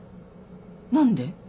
何で？